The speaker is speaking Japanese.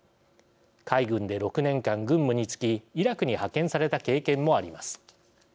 海軍で６年間、軍務に就きイラクに派遣された経験もあります。